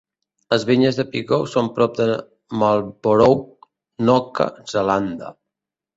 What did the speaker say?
Les vinyes de Pigou són prop de Marlborough, Noca Zelanda.